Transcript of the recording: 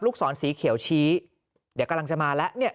ศรสีเขียวชี้เดี๋ยวกำลังจะมาแล้วเนี่ย